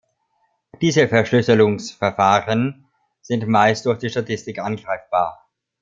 Diese Verschlüsselungsverfahren sind meist durch die Statistik angreifbar.